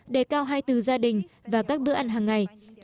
đề cao hai từ gia đình và các bữa ăn hàng ngày